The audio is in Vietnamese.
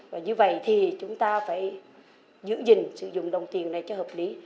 và như vậy thì chúng ta phải giữ gìn sử dụng đồng tiền này cho hợp lý